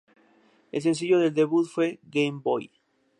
El sencillo de debut fue "GameBoy".